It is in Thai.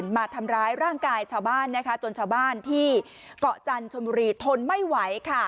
มาทำร้ายร่างกายชาวบ้านจนเกาะจันทร์ชนบุรีทนไม่ไหว